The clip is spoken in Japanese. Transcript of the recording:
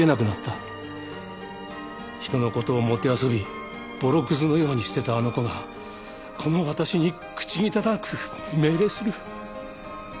人の事をもてあそびボロクズのように捨てたあの子がこの私に口汚く命令する。